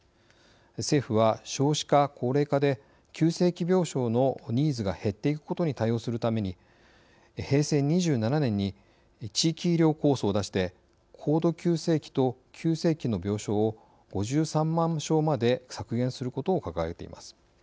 政府は少子化・高齢化で急性期病床のニーズが減っていくことに対応するために平成２７年に地域医療構想を出して高度急性期と急性期の病床を５３万床まで削減することを掲げています。